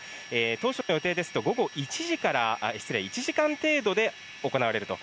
当初の予定ですと、午後１時から、失礼、１時間程度で行われると。